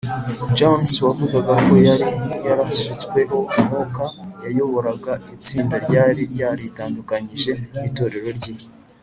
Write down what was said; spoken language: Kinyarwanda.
Jones wavugaga ko yari yarasutsweho umwuka yayoboraga itsinda ryari ryaritandukanyije n itorero ry i